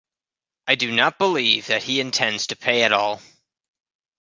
I do not believe that he intends to pay at all.